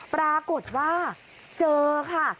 ปรากฏว่าเจอค่ะ